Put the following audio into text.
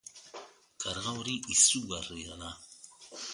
Karga hori izugarria da.